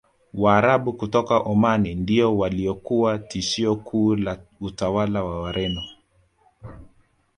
Waarabu kutoka Omani ndio waliokuwa tishio kuu la utawala wa Wareno